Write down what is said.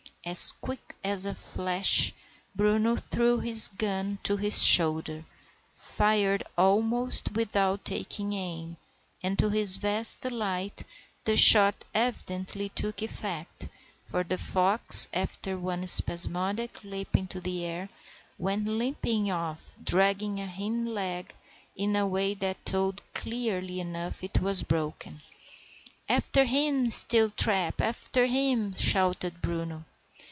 As quick as a flash Bruno threw his gun to his shoulder, fired almost without taking aim, and to his vast delight the shot evidently took effect, for the fox, after one spasmodic leap into the air, went limping off, dragging a hind leg in a way that told clearly enough it was broken. "After him, Steeltrap, after him!" shouted Bruno.